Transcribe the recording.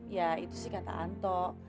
ya itu sih kata anto